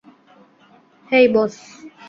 হেই, বস।